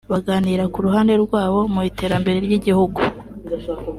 baganira ku ruhare rwabo mu iterambere ry’igihugu